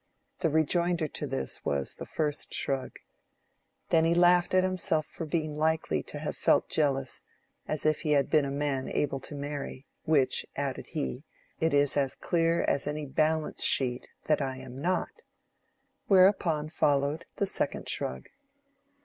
The rejoinder to this was the first shrug. Then he laughed at himself for being likely to have felt jealous, as if he had been a man able to marry, which, added he, it is as clear as any balance sheet that I am not. Whereupon followed the second shrug.